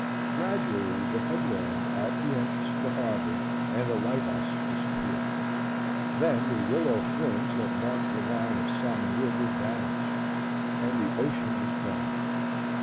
Gradually the headland at the entrance of the harbor and the lighthouse disappeared, then the willow fringe that marked the line of Salmon River vanished, and the ocean was gone.